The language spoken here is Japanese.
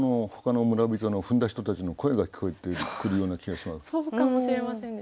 ほかの村人の踏んだ人たちの声が聞こえてくるような気がします。